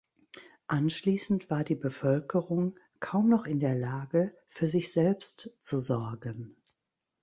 Anschließend war die Bevölkerung kaum noch in der Lage, für sich selbst zu sorgen.